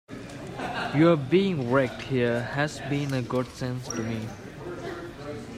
Your being wrecked here has been a godsend to me.